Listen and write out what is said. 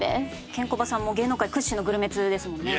ケンコバさんも芸能界屈指のグルメ通ですもんね。